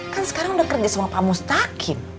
kan sekarang udah kerja sama pak mustaqim